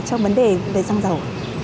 trong vấn đề về răng dầu